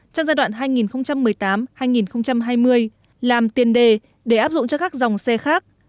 trong giai đoạn hai nghìn một mươi tám hai nghìn hai mươi làm tiền đề để áp dụng cho các dòng xe khác